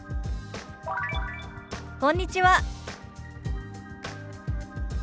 「こんにちは」。